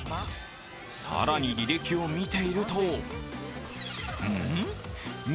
更に、履歴を見ているとん？